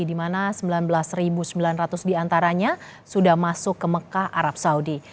di mana sembilan belas sembilan ratus diantaranya sudah masuk ke mekah arab saudi